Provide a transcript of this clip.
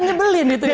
nyebelin itu ya